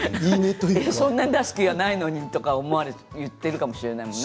そんなに出す気はないのにとか言っているかもしれないものね。